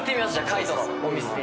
海人のお店に。